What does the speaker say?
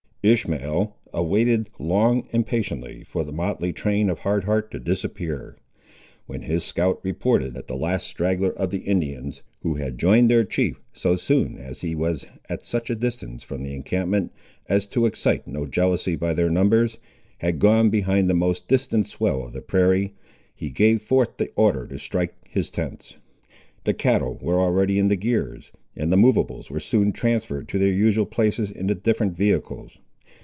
Ishmael awaited long and patiently for the motley train of Hard Heart to disappear. When his scout reported that the last straggler of the Indians, who had joined their chief so soon as he was at such a distance from the encampment as to excite no jealousy by their numbers, had gone behind the most distant swell of the prairie, he gave forth the order to strike his tents. The cattle were already in the gears, and the movables were soon transferred to their usual places in the different vehicles.